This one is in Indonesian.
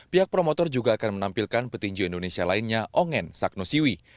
pihak promotor juga akan menampilkan petinju indonesia lainnya ongen sagnosiwi